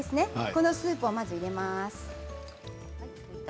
このスープをまず入れます。